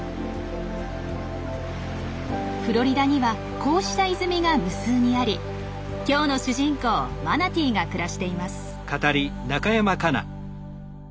フロリダにはこうした泉が無数にあり今日の主人公マナティーが暮らしています。